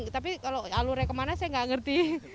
tapi kalau alurnya kemana saya nggak ngerti